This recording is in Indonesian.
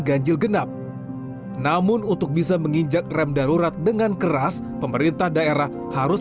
ganjil genap namun untuk bisa menginjak rem darurat dengan keras pemerintah daerah harus